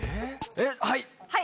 はい！